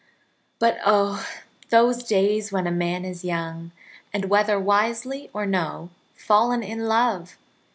But, oh! those days when a man is young, and, whether wisely or no, fallen in love!